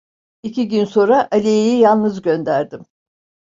İki gün sonra Aliye'yi yalnız gönderdim.